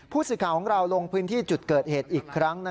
ผู้สื่อข่าวของเราลงพื้นที่จุดเกิดเหตุอีกครั้ง